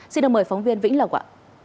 xin được mời phóng viên vĩnh lộc ạ